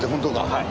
はい。